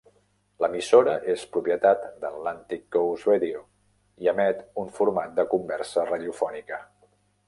L'emissora és propietat d'Atlantic Coast Radio i emet un format de conversa radiofònica.